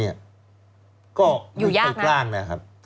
อยู่ยากนะ